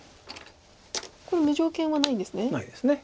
これ無条件はないんですね。